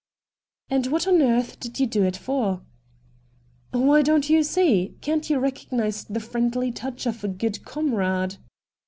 ' And what on earth did you do it for ?'' Why, don't you see ? Can't you recognise the friendly touch of a good comrade